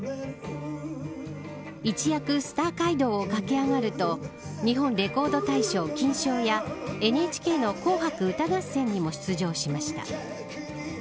一躍スター街道を駆け上がると日本レコード大賞金賞やＮＨＫの紅白歌合戦にも出場しました。